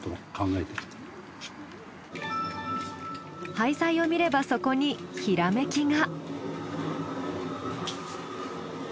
廃材を見ればそこにひらめきが。